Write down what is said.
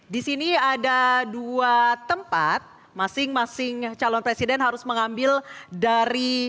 di sini ada dua tempat masing masing calon presiden harus mengambil dari